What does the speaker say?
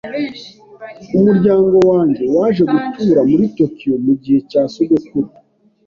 Umuryango wanjye waje gutura muri Tokiyo mugihe cya sogokuru.